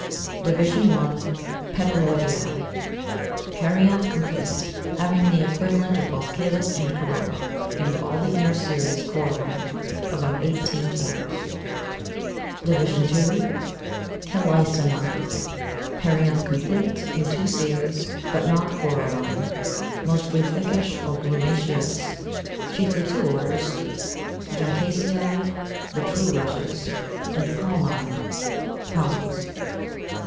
Division I. PETALOIDEÆ. Perianth complete, having the equivalent of both calyx and corolla, and all the inner series corolline. About 18 orders. Division II. CALYCINÆ. Perianth complete (in two series) but not corolline, mostly thickish or glumaceous. Chiefly two orders, Juncaceæ, the true Rushes, and Palmæ, Palms.